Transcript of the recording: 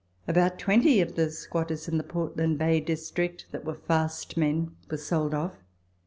About twenty of the squatters in the Portland Bay District (that were fast men) were sold off.